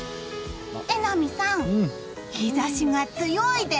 榎並さん、日差しが強いです。